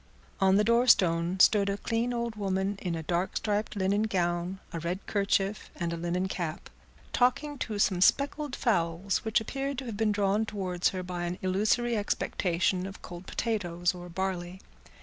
On the door stone stood a clean old woman, in a dark striped linen gown, a red kerchief, and a linen cap, talking to some speckled fowls which appeared to have been drawn towards her by an illusory expectation of cold potatoes or barley.